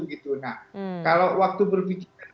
gitu nah kalau waktu berpikir